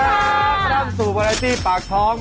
สวัสดีค่ะมานั่งสู่พลาสติปากท้อง